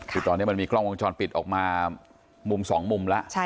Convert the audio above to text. คือตอนนี้มันมีกล้องวงจรปิดออกมามุมสองมุมแล้ว